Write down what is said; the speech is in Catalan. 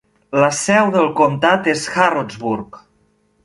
La seu del comtat és Harrodsburg.